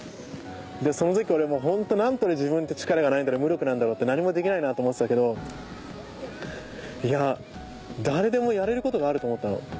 でその時俺もうホント何て自分って力がないんだろう無力なんだろう何もできないなって思ってたけどいや誰でもやれることがあると思ったの。